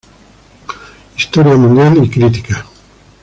Historia mundial y crítica".